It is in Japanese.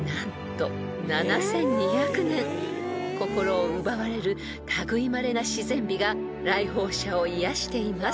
［心を奪われる類いまれな自然美が来訪者を癒やしています］